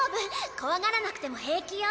怖がらなくても平気よ。